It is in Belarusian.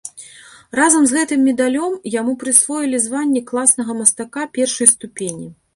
Разам з гэтым медалём яму прысвоілі званне класнага мастака першай ступені.